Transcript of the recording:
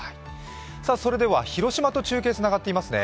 それでは広島と中継つながっていますね。